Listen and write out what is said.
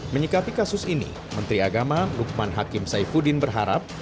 menyikapi kasus ini menteri agama lukman hakim saifuddin berharap